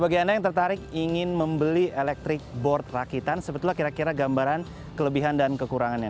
bagi anda yang tertarik ingin membeli electric board rakitan sebetulnya kira kira gambaran kelebihan dan kekurangannya